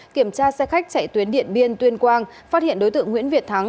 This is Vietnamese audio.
kiểm tra xe khách chạy tuyến điện biên tuyên quang phát hiện đối tượng nguyễn việt thắng